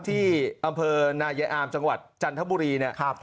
ที่อำเภอนายอาร์มจังหวัดจันทบุรีนะครับ